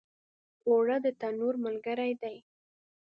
اوړه د تنور ملګری دي